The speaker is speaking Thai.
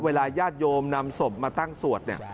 ญาติโยมนำศพมาตั้งสวดเนี่ย